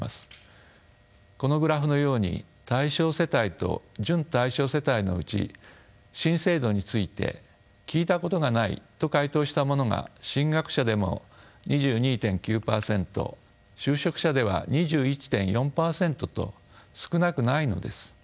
このグラフのように対象世帯と準対象世帯のうち新制度について聞いたことがないと回答した者が進学者でも２２．９％就職者では２１．４％と少なくないのです。